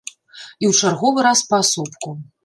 І ў чарговы раз паасобку.